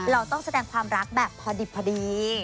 เราต้องแสดงความรักพอดี